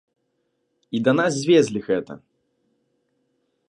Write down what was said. І да нас звезлі гэта.